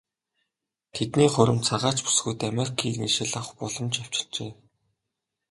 Тэдний хурим цагаач бүсгүйд Америкийн иргэншил авах боломж авчирчээ.